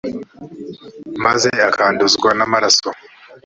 maze akanduzwa n amaraso